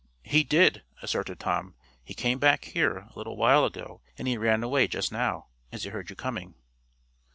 "He did," asserted Tom. "He came back here, a little while ago, and he ran away just now, as he heard you coming."